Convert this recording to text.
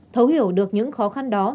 thấu hiểu được những khó khăn đó